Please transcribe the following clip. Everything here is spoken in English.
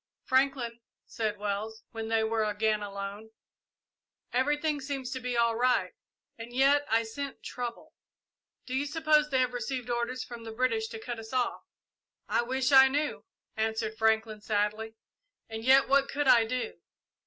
"Franklin," said Wells, when they were again alone, "everything seems to be all right, and yet I scent trouble. Do you suppose they have received orders from the British to cut us off?" "I wish I knew," answered Franklin, sadly; "and yet what could I do?"